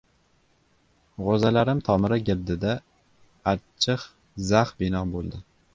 G‘o‘zalarim tomiri girdida achchig‘ zax bino bo‘ldi.